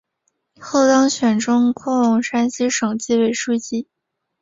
后当选中共山西省纪委书记。